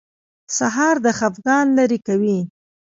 سهار د خفګان لرې کوي.